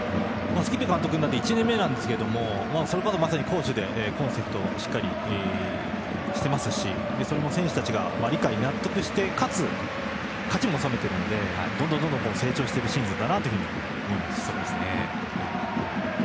スキッベ監督になって１年目なんですけどそれこそ、まさに攻守でコンセプトをしっかりしていますしそれも選手たちがいかに納得してかつ勝ちも収めているのでどんどん成長しているシーズンだと思います。